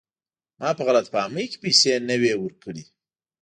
ما په غلط فهمۍ کې پیسې نه وې ورکړي.